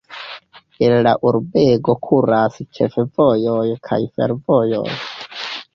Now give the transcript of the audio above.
El la urbego kuras ĉefvojoj kaj fervojoj.